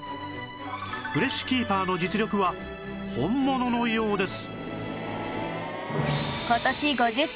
フレッシュキーパーの実力は本物のようです